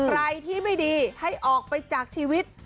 อะไรที่ไม่ดีให้ออกไปจากชีวิต